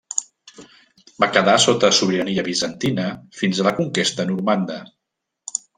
Va quedar sota sobirania bizantina fins a la conquesta normanda.